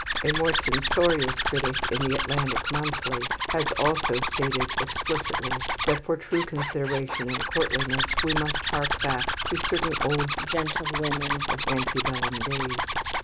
A more censorious critic in the "Atlantic Monthly" has also stated explicitly that for true consideration and courtliness we must hark back to certain old gentlewomen of ante bellum days.